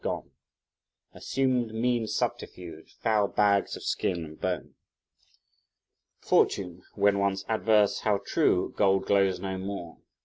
gone! Assumed, mean subterfuge! foul bags of skin and bone! Fortune, when once adverse, how true! gold glows no more!